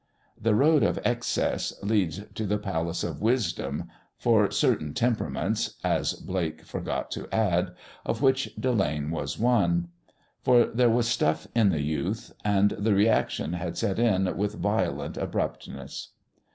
The Road of Excess leads to the Palace of Wisdom for certain temperaments (as Blake forgot to add), of which Delane was one. For there was stuff in the youth, and the reaction had set in with violent abruptness.